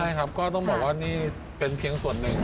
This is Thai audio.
ใช่ครับก็ต้องบอกว่านี่เป็นเพียงส่วนหนึ่ง